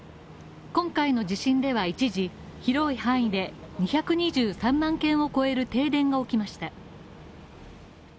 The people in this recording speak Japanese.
今回の地震では一時、広い範囲で２２３万軒を超える停電が起きました。